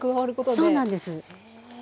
そうなんです。